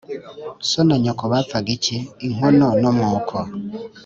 So na nyoko bapfaga iki ?-Inkono n'umwuko